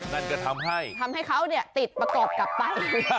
นั่นก็ทำให้ทำให้เขาติดประกอบกลับไป